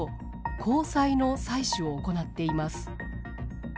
虹彩の採取を行っています。